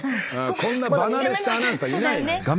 こんな場慣れしたアナウンサーいないのよ。